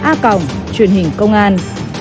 a truyền hình công an